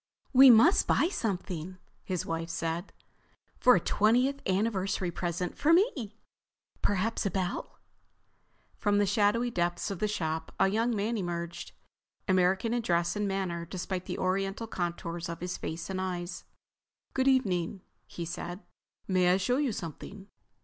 "We must buy something," his wife said. "For a twentieth anniversary present for me. Perhaps a bell?" From the shadowy depths of the shop a young man emerged, American in dress and manner despite the Oriental contours of his face and eyes. "Good evening," he said. "May I show you something?"